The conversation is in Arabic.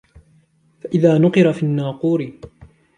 فإذا نقر في الناقور